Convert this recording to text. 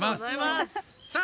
さあ